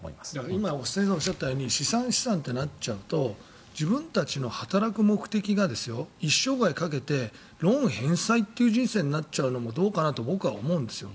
今先生がおっしゃったように資産、資産となっちゃうと自分たちの働く目的が一生涯かけて、ローン返済という人生になっちゃうのもどうかなと僕は思うんですよ。